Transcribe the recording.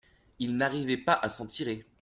Il n’arrivait pas à s’en tirer.